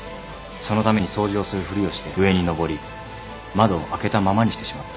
そのために掃除をするふりをして上にのぼり窓を開けたままにしてしまった。